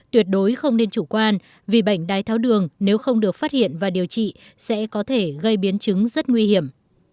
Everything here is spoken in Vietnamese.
tuyệt đối không nên chủ quan vì bệnh đái tháo đường nếu không được phát hiện và điều trị sẽ có thể gây biến chứng rất nguy hiểm